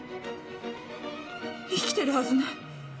生きてるはずない。